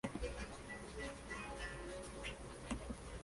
Picard transmite las órdenes a cada una de las "Enterprise".